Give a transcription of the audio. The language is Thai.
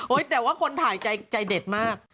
แต่ว่าคนถ่ายใจเด็ดมาก